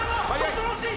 恐ろしい！